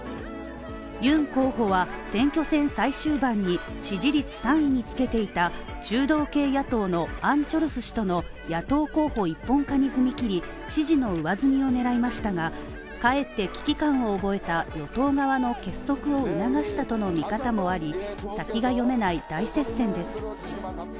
ユン候補は選挙戦最終盤に支持率３位につけていた中道系野党のアン・チョルス氏との野党候補一本化に踏みきり支持の上積みを狙いましたがかえって危機感を覚えた与党側の結束を促したとの見方もあり、先が読めない大接戦です。